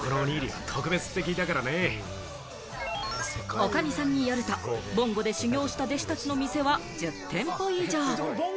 女将さんによると、ぼんごで修業した弟子たちの店は１０店舗以上。